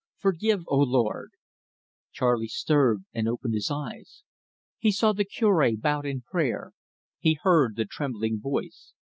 Forgive, O Lord " Charley stirred and opened his eyes. He saw the Cure bowed in prayer; he heard the trembling voice.